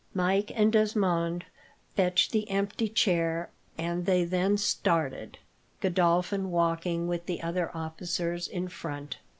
Mike and Desmond fetched the empty chair, and they then started, Godolphin walking with the other officers in front.